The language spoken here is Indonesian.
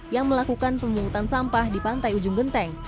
yang melakukan pemungutan sampah di pantai ujung genteng